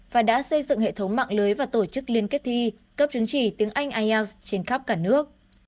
và đã xây dựng hệ thống mạng lưới và tổ chức liên kết thi cấp chứng chỉ tiếng anh ielts trên khắp cả nước